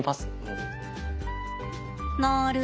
なる。